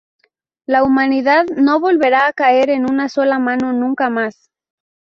La Humanidad no volverá a caer en una sola mano nunca más.